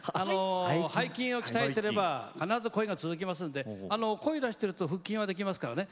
背筋を鍛えていれば必ず声が続きますので声を出してると腹筋ができますからね。